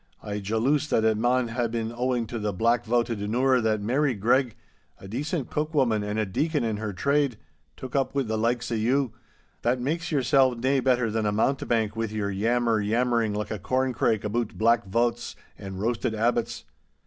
I jaloose that it maun hae been owing to the Black Vaut o' Dunure that Mary Greg, a decent cook woman and a deacon in her trade, took up wi' the likes o' you—that mak's yoursel' nae better than a mountibank wi' your yammer yammering like a corn crake aboot black vauts and roasted abbots.